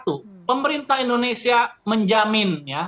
itu mutlak satu pemerintah indonesia menjamin ya